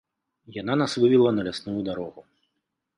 Яна нас вывела на лясную дарогу.